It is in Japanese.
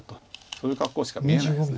そういう格好しか見えないです。